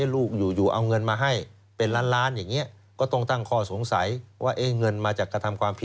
ลูกอยู่เอาเงินมาให้เป็นล้านอย่างนี้